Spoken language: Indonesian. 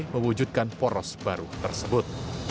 mewujudkan poros baru tersebut